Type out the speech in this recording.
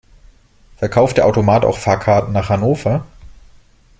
Verkauft der Automat auch Fahrkarten nach Hannover?